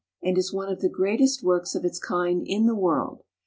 and is one of the greatest works of its kind in the world.